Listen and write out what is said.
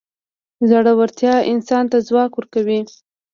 زړورتیا انسان ته ځواک ورکوي.